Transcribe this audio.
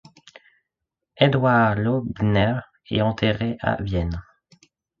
Eduard Loibner est enterré à Vienne.